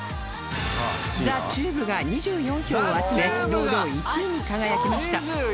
ザ・チューブが２４票を集め堂々１位に輝きました